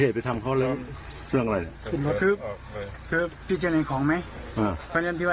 ดูเนเปล่าผู้ก่อเหตุ